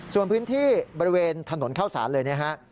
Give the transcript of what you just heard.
ส่วนพื้นที่บริเวณถนนเข้าสารเลยนะฮะ